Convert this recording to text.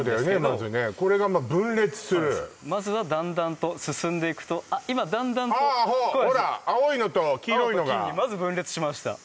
まずねこれが分裂するまずはだんだんと進んでいくとあっ今だんだんとああほら青いのと黄色いのが青と黄にまず分裂しました